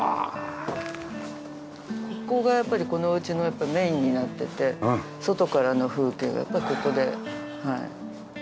ここがやっぱりこの家のメインになってて外からの風景がやっぱりここではい。